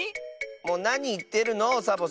もうなにいってるのサボさん。